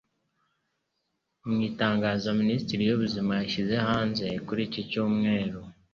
Mu itangazo Minisiteri y'Ubuzima yashyize hanze kuri iki Cyumweru